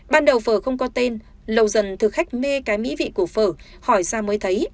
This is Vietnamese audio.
ban đầu phở không có tên lâu dần thực khách mê cái mỹ vị của phở hỏi ra mới thấy